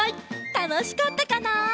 たのしかったかな？